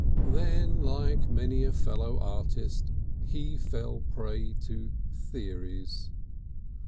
Then like many a fellow artist he fell a prey to theories.